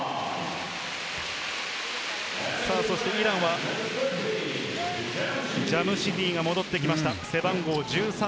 イランはジャムシディが戻ってきました。